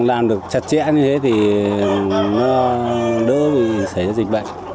làm được chặt chẽ như thế thì đỡ xảy ra dịch bệnh